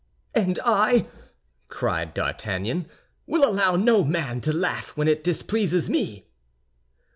"And I," cried D'Artagnan, "will allow no man to laugh when it displeases me!"